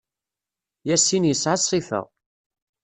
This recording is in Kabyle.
Yassin yesɛa ṣṣifa.